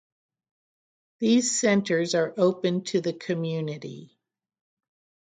These centers are open to the community.